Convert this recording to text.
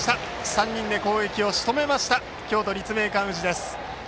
３人で攻撃をしとめた京都・立命館宇治です。